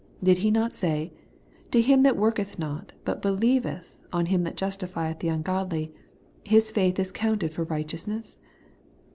Did he not say, * To him that worketh not, hit believeth on Him that justifieth the ungodly, his faith is counted for righteousness'?